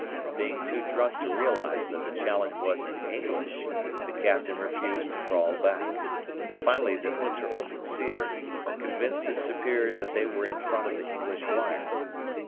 Being too drunk to realize that the challenge was in English, the Captain refused to crawl back. Finally the Unteroffizier convinced his superior that they were in front of the English wire.